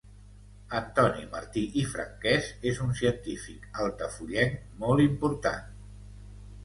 Antoni Martí i Franquès és un científic altafullenc molt important.